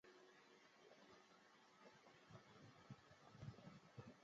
目前使用的主要有顶部承载式和底部承载式两种。